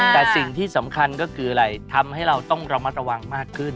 แต่สิ่งที่สำคัญก็คืออะไรทำให้เราต้องระมัดระวังมากขึ้น